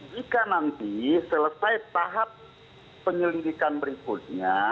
jika nanti selesai tahap penyelidikan berikutnya